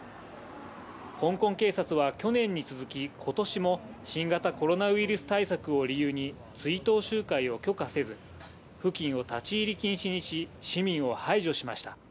香港警察は去年に続き、ことしも、新型コロナウイルス対策を理由に、追悼集会を許可せず、付近を立ち入り禁止にし、市民を排除しました。